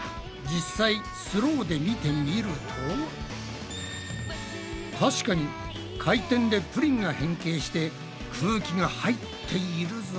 実際スローで見てみると確かに回転でプリンが変形して空気が入っているぞ。